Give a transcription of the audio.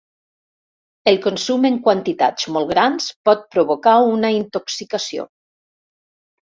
El consum en quantitats molt grans pot provocar una intoxicació.